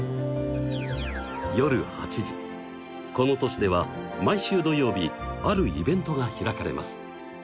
夜８時この都市では毎週土曜日あるイベントが開かれます。